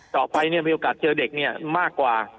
ต่อไปเนี่ยมีโอกาสเจอเด็กเนี่ยมากกว่า